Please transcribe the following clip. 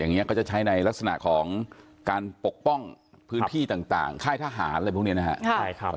อย่างนี้ก็จะใช้ในลักษณะของการปกป้องพื้นที่ต่างค่ายทหารอะไรพวกนี้นะครับ